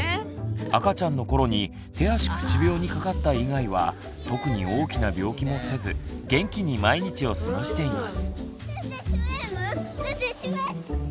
赤ちゃんの頃に手足口病にかかった以外は特に大きな病気もせず元気に毎日を過ごしています。